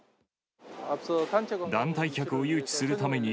団体客を誘致するために、